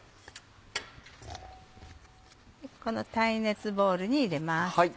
この耐熱ボウルに入れます。